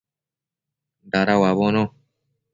Dada uabono